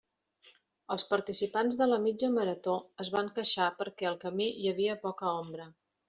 Els participants de la mitja marató es van queixar perquè al camí hi havia poca ombra.